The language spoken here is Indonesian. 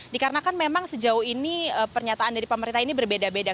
dikarenakan memang sejauh ini pernyataan dari pemerintah ini berbeda beda